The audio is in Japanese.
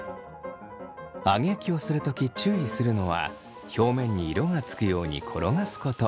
揚げ焼きをする時注意するのは表面に色がつくように転がすこと。